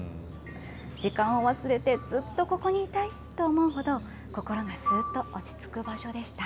時間を忘れてずっとここにいたいと思うほど、心がすーっと落ち着く場所でした。